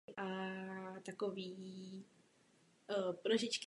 Jméno okrsku v italštině znamená "suchý hřbet".